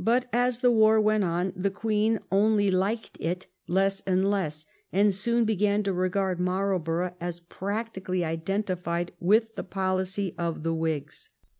But as the war went on the Queen only liked it less and less, and she soon began to regard Marlborough as 338 THE TRIUMPH OF THE TORIES practically identified with the policy of the Whigs.